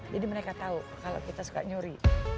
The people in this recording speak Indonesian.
jadi mereka tahu kalau kita suka nyuri